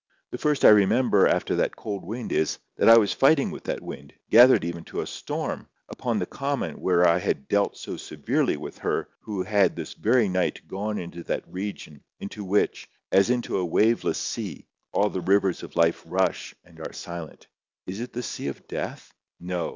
The first I remember after that cold wind is, that I was fighting with that wind, gathered even to a storm, upon the common where I had dealt so severely with her who had this very night gone into that region into which, as into a waveless sea, all the rivers of life rush and are silent. Is it the sea of death? No.